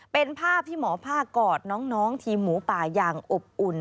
เป็นภาพที่หมอผ้ากอดน้องทีมหมูป่าอย่างอบอุ่น